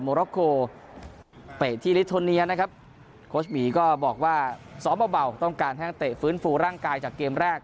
มอรักโกเปรตที่นะครับโค้ชหมีก็บอกว่าซ้อมเบาเบาต้องการให้เตะฟื้นฟูร่างกายจากเกมแรก